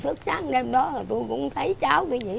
thức sáng đêm đó tôi cũng thấy cháu tôi vậy